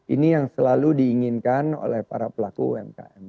ini yang selalu diinginkan oleh para pelaku umkm